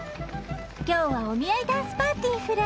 今日はお見合いダンスパーティーフラ。